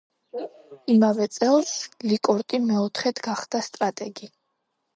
იმავე წელს ლიკორტი მეოთხედ გახდა სტრატეგი.